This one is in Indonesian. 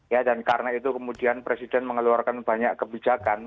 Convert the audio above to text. ya dan karena itu kemudian presiden mengeluarkan banyak kebijakan